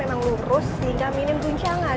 lalu ini memang lurus hingga minim guncangan